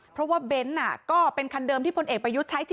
เพราะว่าเบนท์ก็เป็นคันเดิมที่พลเอกประยุทธ์ใช้